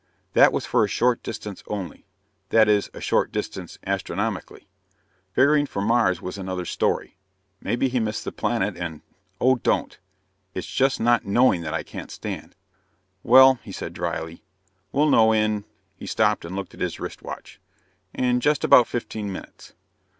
"That was for a short distance only that is, a short distance astronomically. Figuring for Mars was another story. Maybe he missed the planet and ..." "Oh, don't! It's just not knowing that I can't stand." "Well," he said drily, "we'll know in " he stopped and looked at his wristwatch "in just about fifteen minutes."